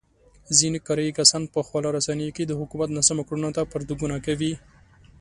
ځنې کرايي کسان په خواله رسينو کې د حکومت ناسمو کړنو ته پرتوګونه کوي.